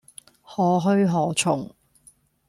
何去何從